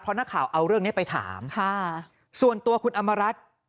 นักข่าวเอาเรื่องนี้ไปถามค่ะส่วนตัวคุณอำมารัฐ